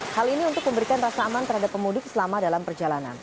hal ini untuk memberikan rasa aman terhadap pemudik selama dalam perjalanan